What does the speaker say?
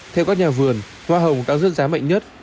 theo các nhà vườn hoa hồng đang rớt giá mạnh nhất